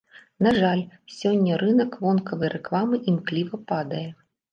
На жаль, сёння рынак вонкавай рэкламы імкліва падае.